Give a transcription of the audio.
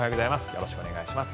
よろしくお願いします。